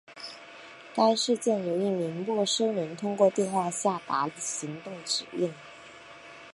该事件由一名陌生人通过电话下达行动指令。